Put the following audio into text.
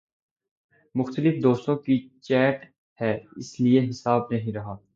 مختلف دوستوں کی چیٹ ہے اس لیے حساب نہیں رہا